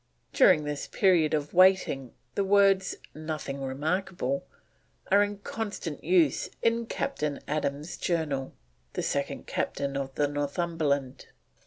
During this period of waiting the words "nothing remarkable" are in constant use in Captain Adams's (the second Captain of the Northumberland) Journal.